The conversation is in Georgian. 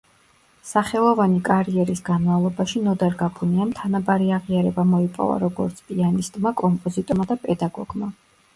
სახელოვანი კარიერის განმავლობაში ნოდარ გაბუნიამ თანაბარი აღიარება მოიპოვა როგორც პიანისტმა, კომპოზიტორმა და პედაგოგმა.